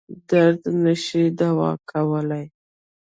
درد نه شي دوا کولای.